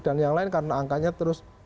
dan yang lain karena angkanya terus